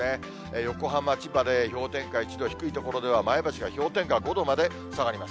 横浜、千葉で氷点下１度、低い所では前橋が氷点下５度まで下がります。